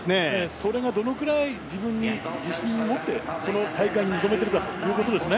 どのくらい自分に自信を持ってこの大会に臨めているかということですね。